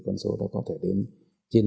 có những khó khăn